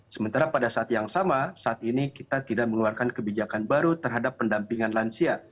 sementara pada saat yang sama saat ini kita tidak mengeluarkan kebijakan baru terhadap pendampingan lansia